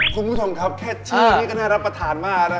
คุณผู้ชมครับแค่ชีนี่ก็น่ารับประทานมากนะครับ